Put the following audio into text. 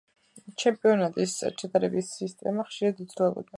ჩემპიონატის ჩატარების სისტემა ხშირად იცვლებოდა.